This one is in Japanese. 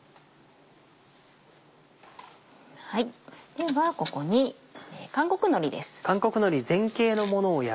ではここに韓国のりです。